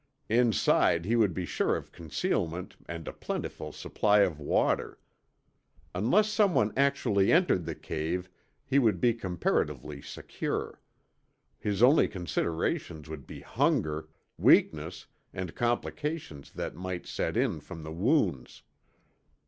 Inside he would be sure of concealment and a plentiful supply of water. Unless someone actually entered the cave, he would be comparatively secure. His only considerations would be hunger, weakness, and complications that might set in from the wounds.